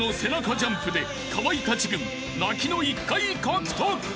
ジャンプでかまいたち軍泣きの１回獲得］